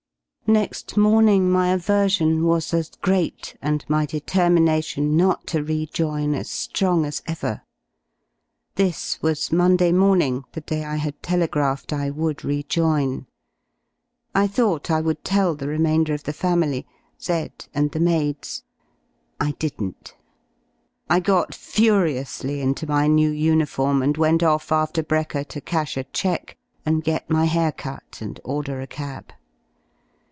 y Next morning my aversion was as great and my deter mination not to rejoin as ^rong as ever. This was Monday morning, the day I had telegraphed I would rejoin. I thought I would tell the remainder of the family, Z.... and the maids. I didn't. I got furiously into my new uniform and went off after brekker to cash a cheque and get my hair cut and order a cab.